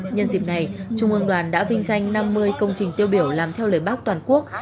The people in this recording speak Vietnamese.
nhân dịp này trung ương đoàn đã vinh danh năm mươi công trình tiêu biểu làm theo lời bác toàn quốc